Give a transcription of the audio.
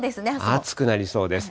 暑くなりそうです。